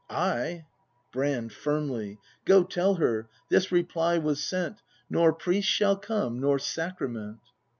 Ay. Brand. [Firmly.] Go, tell her, this reply was sent: "Nor priest shall come, nor sacrament."